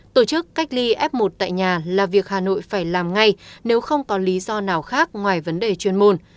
tổ chức cách ly f một tại nhà là việc hà nội phải làm ngay nếu không có lý do nào khác ngoài vấn đề chuyên môn